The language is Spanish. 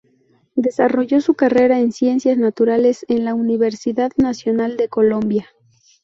Desarrolló su carrera en Ciencias Naturales en la Universidad Nacional de Colombia.